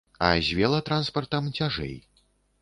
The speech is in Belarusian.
А з велатранспартам цяжэй.